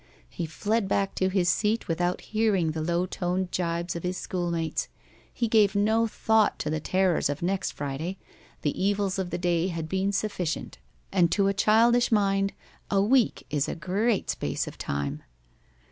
He fled back to his seat without hearing the low toned gibes of his schoolmates. He gave no thought to the terrors of the next Friday. The evils of the day had been sufficient, and to a childish mind a week is a great space of time.